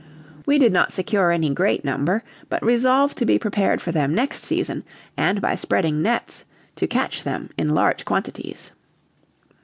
We did not secure any great number, but resolved to be prepared for them next season, and by spreading nets, to catch them in large quantities.